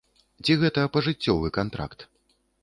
Ці гэта пажыццёвы кантракт?